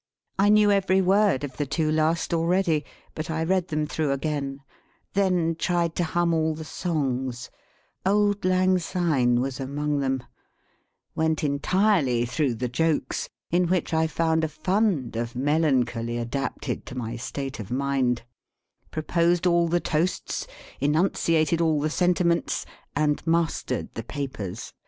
I knew every word of the two last already, but I read them through again, then tried to hum all the songs (Auld Lang Syne was among them); went entirely through the jokes, in which I found a fund of melancholy adapted to my state of mind; proposed all the toasts, enunciated all the sentiments, and mastered the papers.